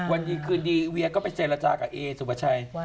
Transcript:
วันดีคืนดีเวียก็ไปเจรจากับเอสุปชัย